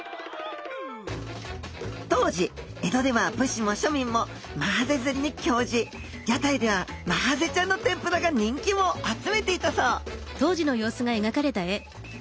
当時江戸では武士も庶民もマハゼ釣りに興じ屋台ではマハゼちゃんの天ぷらが人気を集めていたそう